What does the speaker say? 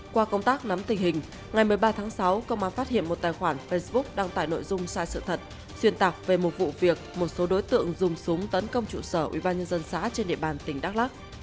qua công tác nắm tình hình ngày một mươi ba tháng sáu công an phát hiện một tài khoản facebook đăng tải nội dung sai sự thật xuyên tạc về một vụ việc một số đối tượng dùng súng tấn công trụ sở ubnd xã trên địa bàn tỉnh đắk lắc